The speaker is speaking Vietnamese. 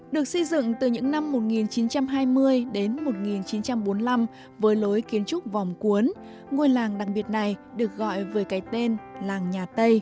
được xây dựng từ những năm một nghìn chín trăm hai mươi đến một nghìn chín trăm bốn mươi năm với lối kiến trúc vòng cuốn